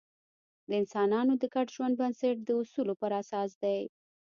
د انسانانو د ګډ ژوند بنسټ د اصولو پر اساس دی.